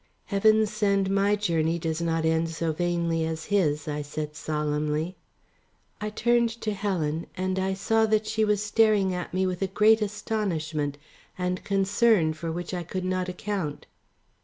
"Heaven send my journey does not end so vainly as his," I said solemnly. I turned to Helen and I saw that she was staring at me with a great astonishment, and concern for which I could not account.